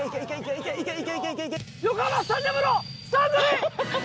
横浜スタジアムのスタンドに。